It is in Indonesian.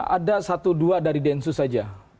ada satu dua dari densus saja